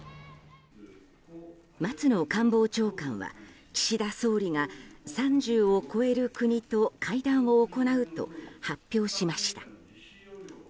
松野官房長官は岸田総理が３０を超える国と会談を行うと発表しました。